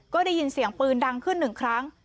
ก็ได้ยินเสียงปืนดังขึ้นหนึ่งครั้ง